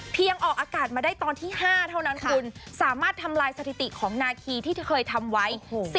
ออกอากาศมาได้ตอนที่๕เท่านั้นคุณสามารถทำลายสถิติของนาคีที่เธอเคยทำไว้